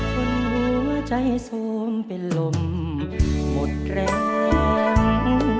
หัวใจโสมเป็นลมหมดแรง